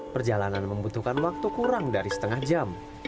perjalanan membutuhkan waktu kurang dari setengah jam